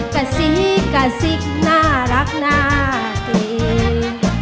กะซิกกะซิกน่ารักน่าเก่ง